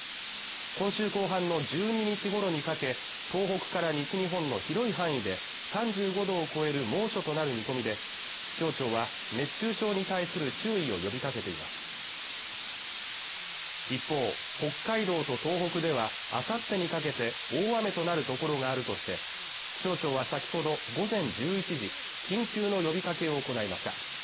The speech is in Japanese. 今週後半の１２日ごろにかけ東北から西日本の広い範囲で３５度を超える猛暑となる見込みで気象庁は熱中症に対する注意を呼びかけています一方北海道と東北ではあさってにかけて大雨となる所があるとして気象庁は先ほど午前１１時緊急の呼びかけを行いました